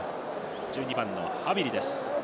１２番のハヴィリです。